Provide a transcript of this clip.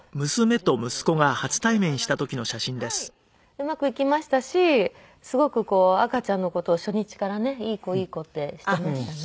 うまくいきましたしすごく赤ちゃんの事を初日からねいい子いい子ってしていましたね。